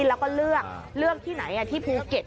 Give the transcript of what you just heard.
แล้วก็เลือกเลือกที่ไหนที่ภูเก็ต